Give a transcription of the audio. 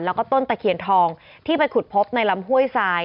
แล้วก็ต้นตะเคียนทองที่ไปขุดพบในลำห้วยทราย